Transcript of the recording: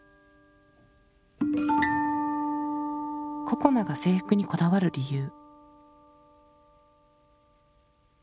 ここなが制服にこだわる理由。